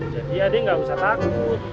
jadi ya deh gak usah takut